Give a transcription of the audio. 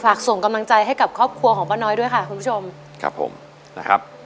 ส่งกำลังใจให้กับครอบครัวของป้าน้อยด้วยค่ะคุณผู้ชมครับผมนะครับ